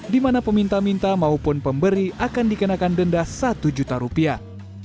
di mana peminta minta maupun pemberi akan dikenakan denda satu juta rupiah